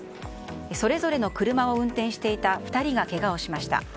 それぞれの車を運転していた２人がけがをしました。